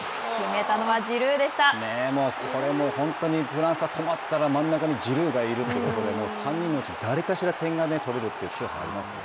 これも本当に、フランスは困ったら真ん中にジルーがいるということで、３人のうち誰かしら点が取れるって強さがありますね。